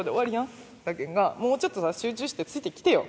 だけんがもうちょっとさ集中してついてきてよ。